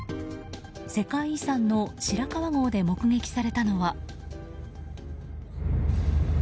世界遺産の白川郷で目撃されたのは。